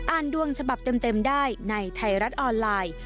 ดวงฉบับเต็มได้ในไทยรัฐออนไลน์